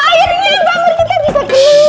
akhirnya jamur kita bisa keluar